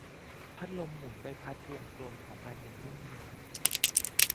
พัดลมหมุนใบพัดวงกลมของมันอย่างนุ่มนวล